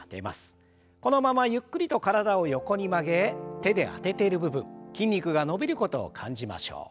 このままゆっくりと体を横に曲げ手であてている部分筋肉が伸びることを感じましょう。